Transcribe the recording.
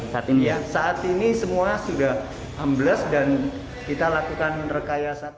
saat ini ya saat ini semua sudah ambles dan kita lakukan rekayasa